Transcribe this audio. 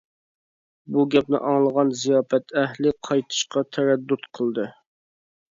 بۇ گەپنى ئاڭلىغان زىياپەت ئەھلى قايتىشقا تەرەددۇت قىلدى.